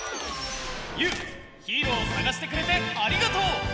ゆうヒーローをさがしてくれてありがとう！